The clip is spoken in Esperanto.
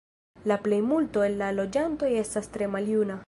La plejmulto el la loĝantoj estas tre maljuna.